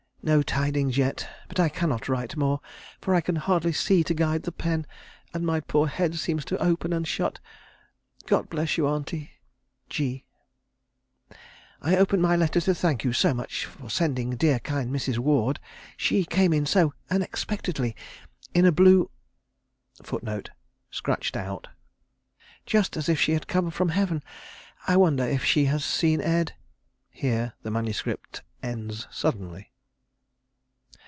No tidings yet, but I cannot write more, for I can hardly see to guide the pen, and my poor head seems to open and shut. God bless you, auntie. "G." "I open my letter to thank you so much for sending dear kind Mrs. Ward; she came in so unexpectedly (in a blue ) just as if she had come from heaven. I wonder if she has seen Ed....? [Here the MS. ends suddenly.